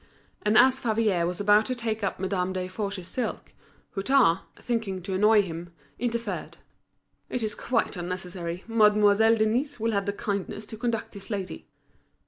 And as Favier was about to take up Madame Desforges's silk, Hutin, thinking to annoy him, interfered. "It's quite unnecessary, Mademoiselle Denise will have the kindness to conduct this lady."